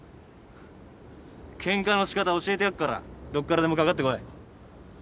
ケンカのしかた教えてやっからどっからでもかかってこい。